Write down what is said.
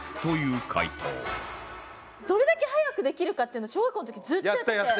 どれだけ速くできるかというのを小学校の時ずっとやってて。